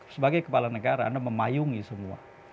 sebagai kepala negara anda memayungi semua